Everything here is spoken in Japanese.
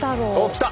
きた！